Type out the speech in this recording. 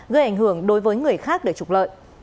gây ảnh hưởng đối với người khác để trục lợi